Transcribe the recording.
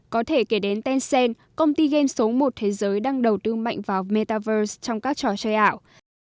có thể kể đến tencent công ty game số một thế giới đang đầu tư mạnh vào metaverse trong các trò chơi ảo